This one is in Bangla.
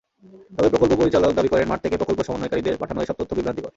তবে প্রকল্প পরিচালক দাবি করেন, মাঠ থেকে প্রকল্প সমন্বয়কারীদের পাঠানো এসব তথ্য বিভ্রান্তিকর।